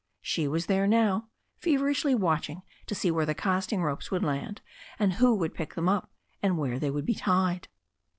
She was there now, feverishly watching to see where the casting ropes would land, and who would pick them up, and where they would be tied.